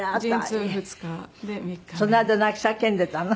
その間泣き叫んでたの？